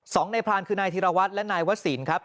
สองในพรานคือนายธิรวัตรและนายวศิลป์ครับ